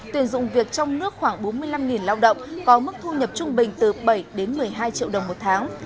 tuyển dụng việc trong nước khoảng bốn mươi năm lao động có mức thu nhập trung bình từ bảy đến một mươi hai triệu đồng một tháng